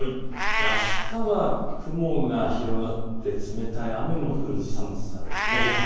あしたは雲が広がって冷たい雨も降る寒さです。